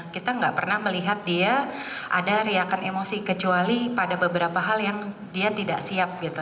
kita nggak pernah melihat dia ada riakan emosi kecuali pada beberapa hal yang dia tidak siap gitu